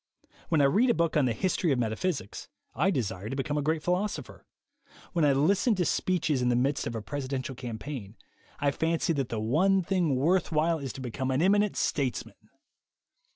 When I read a book on the history of metaphysics, I desire to become a great philosopher. When I listen to speeches in the midst of a presidential campaign, I fancy that the one thing worth while is to become an eminent statesman.